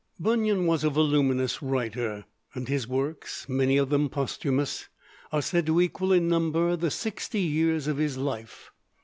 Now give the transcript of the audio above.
] Bunyan was a voluminous writer, and his works, many of them posthumous, are said to equal in number the sixty years of his life.